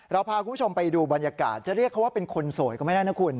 เราพาคุณผู้ชมไปดูบรรยากาศเค้าได้เรียกความเป็นคนโสดก็ไม่ได้